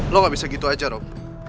lo gak bisa gitu aja rob